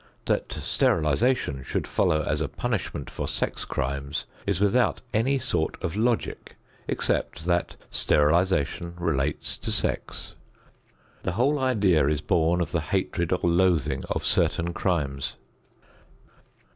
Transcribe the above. That sterilization should follow as a punishment for sex crimes is without any sort of logic except that sterilization relates to sex. The whole idea is born of the hatred or loathing of certain crimes.